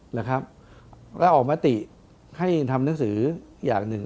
แล้วออกมาติให้ทำหนังสืออย่างหนึ่ง